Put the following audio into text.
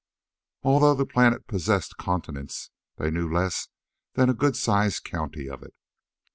Although the planet possessed continents, they knew less than a good sized county of it.